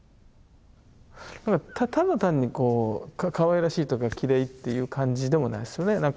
ただ単にこうかわいらしいとかきれいっていう感じでもないですよね。